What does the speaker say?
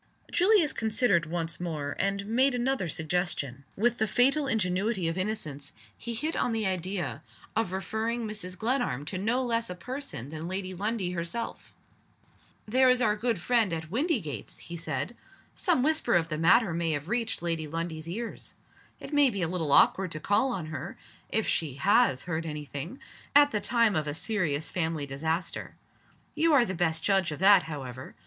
Julius considered once more; and made another suggestion. With the fatal ingenuity of innocence, he hit on the idea of referring Mrs. Glenarm to no less a person than Lady Lundie herself! "There is our good friend at Windygates," he said. "Some whisper of the matter may have reached Lady Lundie's ears. It may be a little awkward to call on her (if she has heard any thing) at the time of a serious family disaster. You are the best judge of that, however.